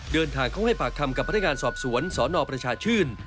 เดินทางเข้าให้ปากคำกับพนักงานสอบสวนสนประชาชื่น